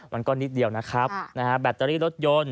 มันก็นิดเดียวนะครับแบตเตอรี่รถยนต์